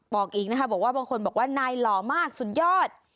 บอกอีกนะคะบอกว่าบางคนบอกว่านายหล่อมากสุดยอด